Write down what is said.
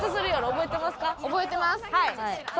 覚えてます。